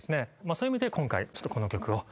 そういう意味で今回ちょっと。